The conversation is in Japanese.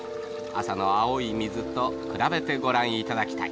朝の青い水と比べてご覧頂きたい。